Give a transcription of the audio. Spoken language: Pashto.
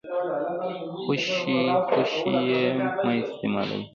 خوشې خوشې يې مه استيمالوئ.